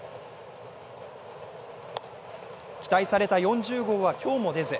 期待された４０号は今日も出ず。